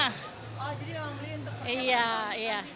oh jadi emang beli untuk perkenalan